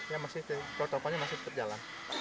ya masih protokolnya masih berjalan